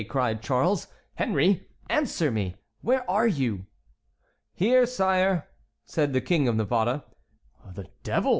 cried Charles. "Henry, answer me; where are you?" "Here, sire," said the King of Navarre. "The devil!"